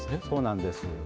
そうなんです。